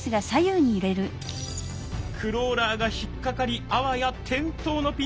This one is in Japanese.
クローラーが引っ掛かりあわや転倒のピンチ！